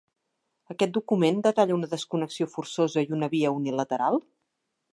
Aquest document detalla una desconnexió forçosa i una via unilateral?